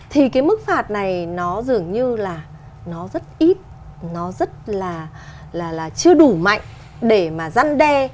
thì cái mức phạt này nó dường như là nó rất ít nó rất là chưa đủ mạnh để mà răn đe